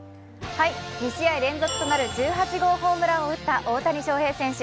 ２試合連続となる１８号ホームランを打った大谷選手。